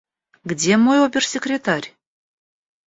Где мой обер-секретарь?»